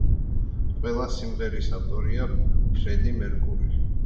ყველა სიმღერის ავტორია ფრედი მერკური.